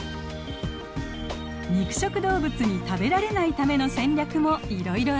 肉食動物に食べられないための戦略もいろいろあります。